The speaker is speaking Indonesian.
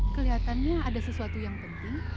kelihatannya ada sesuatu yang penting